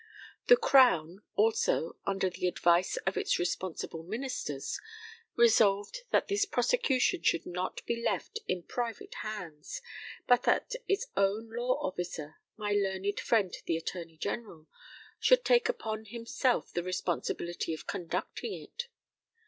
The Crown, also, under the advice of its responsible Ministers, resolved that this prosecution should not be left in private hands, but that its own law officer, my learned friend the Attorney General, should take upon himself the responsibility of conducting it.